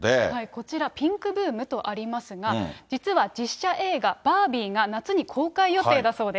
こちら、ピングブーム？とありますが、実は実写映画、バービーが夏に公開予定だそうです。